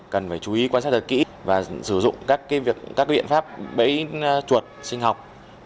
cần phải chú ý quan sát thật kỹ và sử dụng các biện pháp bẫy chuột sinh học